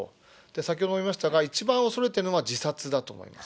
先ほども言いましたが、一番恐れているのは自殺だと思います。